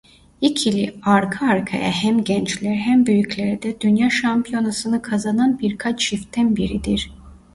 İkili arka arkaya hem Gençler hem Büyüklerde Dünya şampiyonasını kazanan birkaç çiftten biridir.